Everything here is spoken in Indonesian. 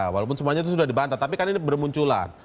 walaupun semuanya itu sudah dibantah tapi kan ini bermunculan